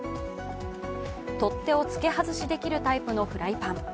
取っ手を付け外しできるタイプのフライパン。